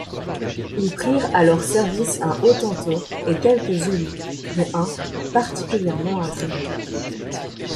Ils prirent à leur service un Hottentot et quelques Zoulous, dont un, particulièrement intriguant.